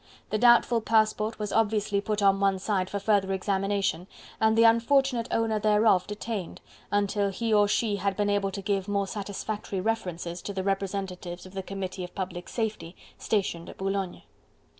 The doubtful passport was obviously put on one side for further examination, and the unfortunate owner thereof detained, until he or she had been able to give more satisfactory references to the representatives of the Committee of Public Safety, stationed at Boulogne.